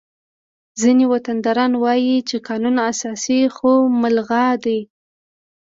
ځینې وطنداران وایي چې قانون اساسي خو ملغا دی